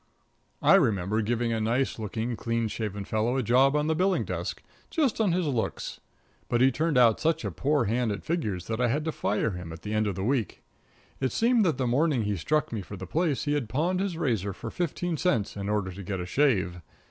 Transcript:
I remember giving a nice looking, clean shaven fellow a job on the billing desk, just on his looks, but he turned out such a poor hand at figures that I had to fire him at the end of a week. It seemed that the morning he struck me for the place he had pawned his razor for fifteen cents in order to get a shave.